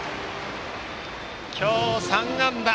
今日３安打！